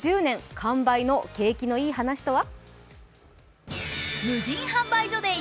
完売の景気のいい話とは？